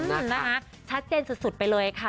นะคะชัดเจนสุดไปเลยค่ะ